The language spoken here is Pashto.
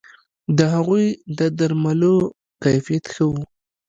د هغوی د درملو کیفیت ښه وو